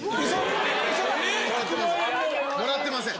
ええ！もらってません。